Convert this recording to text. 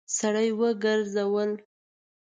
سړی وګرځول.